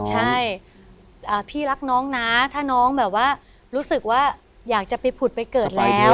ใช่พี่รักน้องนะถ้าน้องแบบว่ารู้สึกว่าอยากจะไปผุดไปเกิดแล้ว